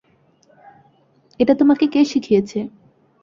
এটা তোমাকে কে শিখিয়েছে?